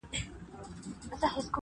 • نه به یې د ستورو غاړګۍ درته راوړې وي -